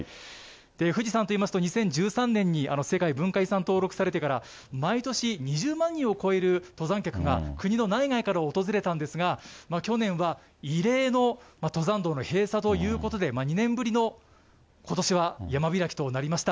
富士山といいますと、２０１３年に世界文化遺産登録されてから、毎年２０万人を超える登山客が国の内外から訪れたんですが、去年は異例の登山道の閉鎖ということで、２年ぶりの、ことしは山開きとなりました。